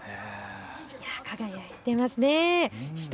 輝いていますね。